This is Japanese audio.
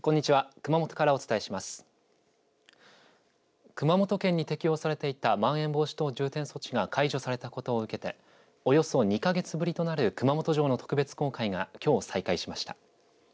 熊本県に適用されていたまん延防止等重点措置が解除されたことを受けておよそ２か月ぶりとなる熊本城の特別公開がきょう再開しました。